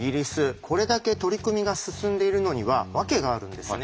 これだけ取り組みが進んでいるのには訳があるんですね。